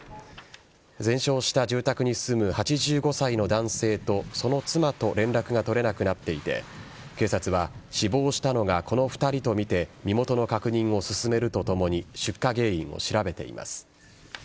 全焼した住宅に住む８５歳の男性とその妻と連絡が取れなくなっていて警察は死亡したのはこの２人とみて身元の確認を進めるとともに出火原因を調べています。